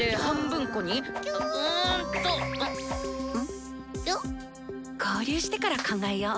心の声合流してから考えよう。